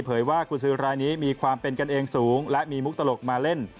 ว่ากุญสือรายนี้มีความเป็นกันเองสูงและมีมุกตลกมาเล่น